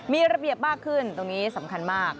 มีระเบียบมากขึ้นตรงนี้สำคัญมาก